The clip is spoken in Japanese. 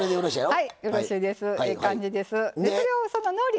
はい。